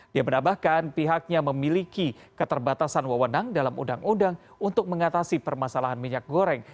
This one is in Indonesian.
dia menambahkan pihaknya memiliki keterbatasan wewenang dalam undang undang untuk mengatasi permasalahan minyak goreng